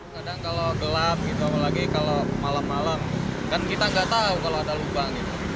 kadang kalau gelap gitu apalagi kalau malam malam kan kita nggak tahu kalau ada lubang